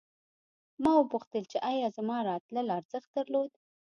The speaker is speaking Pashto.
ما وپوښتل چې ایا زما راتلل ارزښت درلود